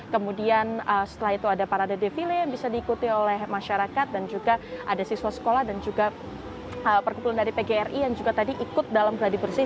kemudian setelah itu ada parade defile yang bisa diikuti oleh masyarakat dan juga ada siswa sekolah dan juga perkumpulan dari pgri yang juga tadi ikut dalam geladi bersih